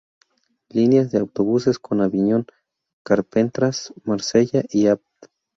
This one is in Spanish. Líneas de autobuses con Aviñón, Carpentras, Marsella y Apt.